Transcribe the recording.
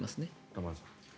玉川さん。